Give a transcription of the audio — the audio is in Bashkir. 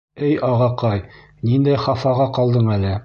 — Эй ағаҡай, ниндәй хафаға ҡалдың әле?